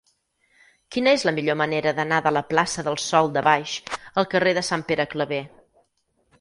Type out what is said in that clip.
Quina és la millor manera d'anar de la plaça del Sòl de Baix al carrer de Sant Pere Claver?